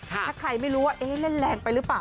ถ้าใครไม่รู้ว่าเล่นแรงไปหรือเปล่า